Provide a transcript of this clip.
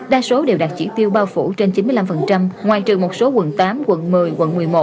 đa số đều đạt chỉ tiêu bao phủ trên chín mươi năm ngoài trừ một số quận tám quận một mươi quận một mươi một